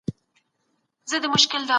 دا کار د لیونتوب په مانا دی.